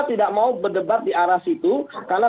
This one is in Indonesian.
tidak mau berdebat di arah situ karena